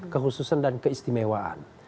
kehususan dan keistimewaan